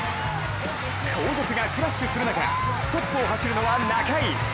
後続がクラッシュする中、トップを走るのは中井。